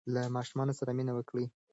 له ماشومانو سره مینه وکړئ.